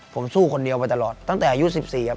ผมสู้คนเดียวมาตลอดตั้งแต่อายุ๑๔ครับ